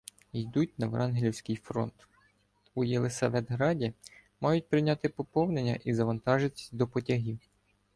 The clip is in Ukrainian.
Йдуть на врангелівський фронт, — у Єлисаветграді мають прийняти поповнення і завантажитися до потягів.